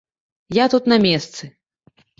Я тут на месцы.